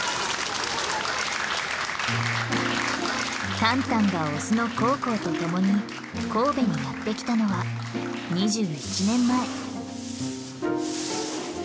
タンタンがオスのコウコウと共に神戸にやってきたのは２１年前。